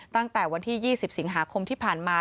ตั้งแต่วันที่๒๐สิงหาคมที่ผ่านมา